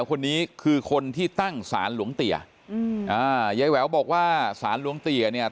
คนนี้คือคนที่ตั้งสารหลวงเตี๋ยอืมอ่ายายแหววบอกว่าสารหลวงเตี๋ยเนี่ย